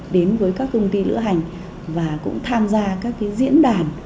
đến với các công ty lữ hành và cũng tham gia các diễn đàn